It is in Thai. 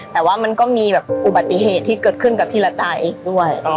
แต่ว่ามันก็มีแบบอุบัติเหตุที่เกิดขึ้นกับพี่ละตายอีกด้วย